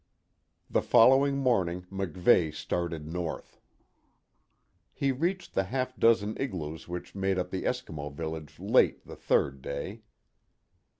The following morning MacVeigh started north. He reached the half dozen igloos which made up the Eskimo village late the third day.